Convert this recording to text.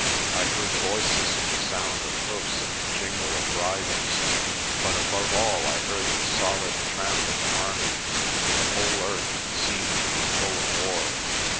I heard voices and the sound of hoofs and the jingle of bridles, but above all I heard the solid tramp of an army. The whole earth seemed to be full of war.